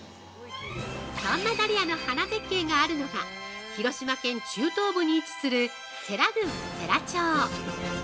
◆そんなダリアの花絶景があるのが広島県中東部に位置する世羅郡世羅町。